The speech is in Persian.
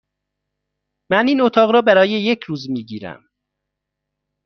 من این اتاق را برای یک روز می گیرم.